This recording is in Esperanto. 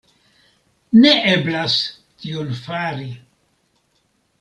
Ne eblas tion fari.